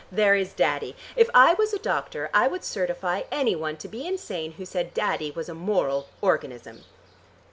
There is Daddy! If I was a doctor I would certify any one to be insane who said Daddy was a moral organism.